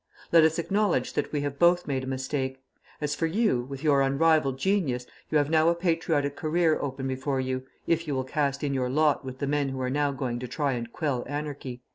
Let us acknowledge that we have both made a mistake. As for you, with your unrivalled genius you have now a patriotic career open before you, if you will cast in your lot with the men who are now going to try and quell anarchy."